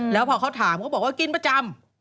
แล้วพอเขาถามเขาบอกว่ากินประจำ